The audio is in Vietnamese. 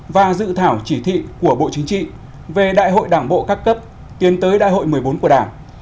và dự thảo chỉ thị của bộ chính trị về đại hội đảng bộ các cấp tiến tới đại hội một mươi bốn của đảng